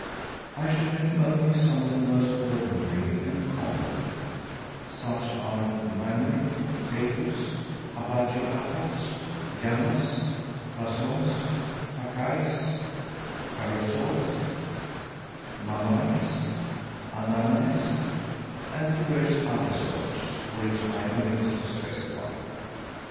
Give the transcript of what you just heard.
I shall name only some of the most ordinary and common: such are magnoit, potatoes, Abajou apples, yannas, bacones, paquays, carosoles, mamayns, annananes, and divers other sorts, which I omit to specify.